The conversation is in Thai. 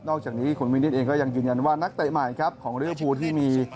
อกจากนี้คุณวินิตเองก็ยังยืนยันว่านักเตะใหม่ครับของลิเวอร์ฟูที่มี